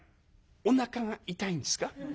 「おなかが痛いんですか？」。